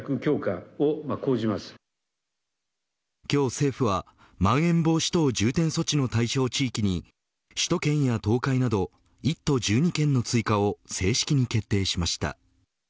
今日、政府はまん延防止等重点措置の対象地域に首都圏や東海など１都１２県の追加を正式に決定しました。